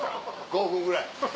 ５分ぐらい。